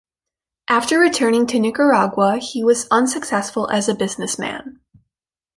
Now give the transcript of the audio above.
After returning to Nicaragua, he was unsuccessful as a businessman.